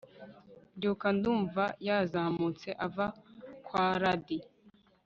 Byuka ndumva yazamutse ava kwa Ladd